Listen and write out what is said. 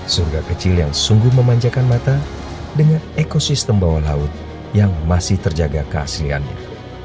surga kecil yang sungguh memanjakan mata dengan ekosistem bawah laut yang masih terjaga keasliannya